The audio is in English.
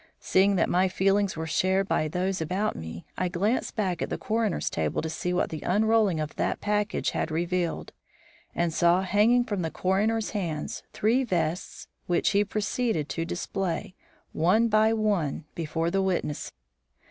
Seeing that my feelings were shared by those about me, I glanced back at the coroner's table to see what the unrolling of that package had revealed, and saw, hanging from the coroner's hands, three vests, which he proceeded to display, one by one, before the witness.